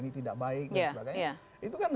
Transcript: ini tidak baik dan sebagainya itu kan